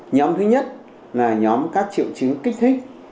nhóm thứ nhất là nhóm các triệu chứng kích thích